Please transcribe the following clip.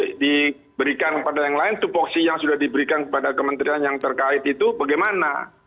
kalau diberikan kepada yang lain tupoksi yang sudah diberikan kepada kementerian yang terkait itu bagaimana